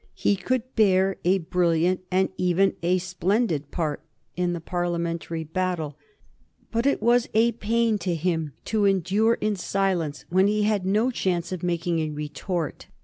He could bear a brilliant and even a splendid part in the Parliamentary battle, but it was a pain to him to endure in silence when he had no chance of making a retort.